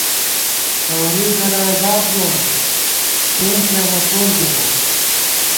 لورُوئی گلہ ازاد بُواں تېنݪی امہ تول دِی بوک